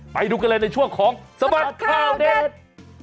ไปดูกันเลยในช่วงของสมัครคราวเดช